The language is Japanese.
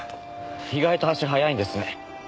意外と足速いんですね。